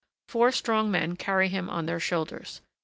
Four strong men carry him on their shoulders.